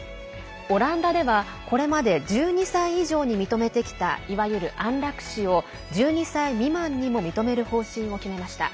オランダではこれまで１２歳以上に認めてきたいわゆる安楽死を１２歳未満にも認める方針を決めました。